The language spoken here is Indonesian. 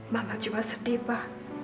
mama cuma sedih pa